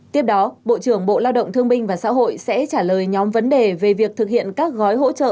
tiếp đó bộ trưởng bộ lao động thương binh và xã hội sẽ trả lời nhóm vấn đề về việc thực hiện các gói hỗ trợ